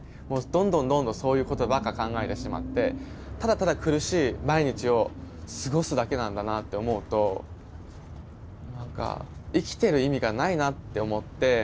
どんどんどんどんそういうことばっか考えてしまってただただ苦しい毎日を過ごすだけなんだなって思うと何か生きてる意味がないなって思って。